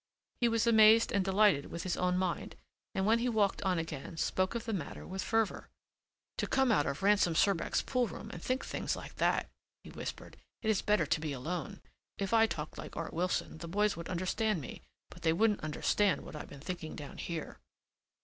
He was amazed and delighted with his own mind and when he walked on again spoke of the matter with fervor. "To come out of Ransom Surbeck's pool room and think things like that," he whispered. "It is better to be alone. If I talked like Art Wilson the boys would understand me but they wouldn't understand what I've been thinking down here."